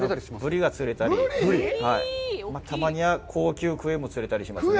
ブリが釣れたり、たまには高級クエも釣れたりしますね。